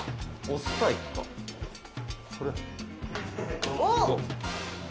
「おっ！」